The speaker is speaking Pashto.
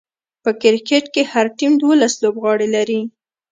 په کرکټ کښي هر ټيم دوولس لوبغاړي لري.